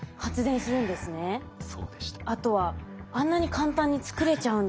あとはあんなに簡単に作れちゃうんだと。